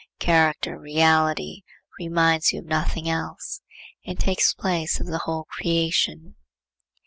Character, reality, reminds you of nothing else; it takes place of the whole creation.